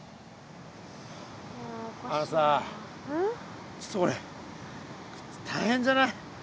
あのさちょっとこれ大変じゃない？